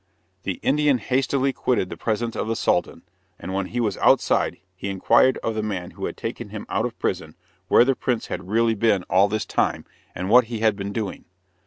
The Indian hastily quitted the presence of the Sultan, and when he was outside, he inquired of the man who had taken him out of prison where the prince had really been all this time, and what he had been doing.